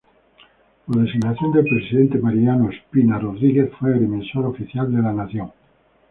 Por designación del presidente Mariano Ospina Rodríguez fue agrimensor oficial de la nación.